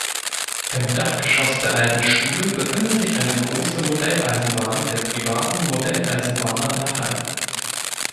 Im Dachgeschoss der Alten Schule befindet sich eine große Modelleisenbahn der Privaten Modelleisenbahner Nattheim.